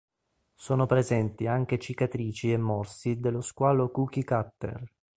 Sono presenti anche cicatrici e morsi dello squalo cookie-cutter.